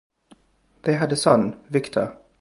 They had a son Viktor.